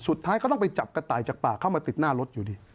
สุดท้ายก็ต้องไปจับกระต่ายจากปากเข้ามาติดหน้ารถอยู่ดี